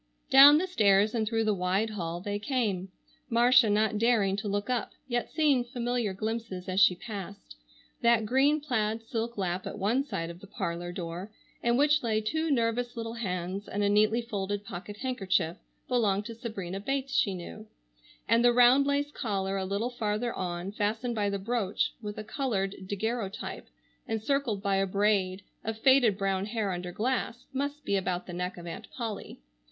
Down the stairs and through the wide hall they came, Marcia not daring to look up, yet seeing familiar glimpses as she passed. That green plaid silk lap at one side of the parlor door, in which lay two nervous little hands and a neatly folded pocket handkerchief, belonged to Sabrina Bates, she knew; and the round lace collar a little farther on, fastened by the brooch with a colored daguerreotype encircled by a braid of faded brown hair under glass, must be about the neck of Aunt Polly.